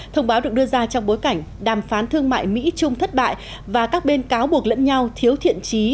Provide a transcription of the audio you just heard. thông báo được đưa ra trong bối cảnh đàm phán thương mại mỹ trung thất bại và các bên cáo buộc lẫn nhau thiếu thiện trí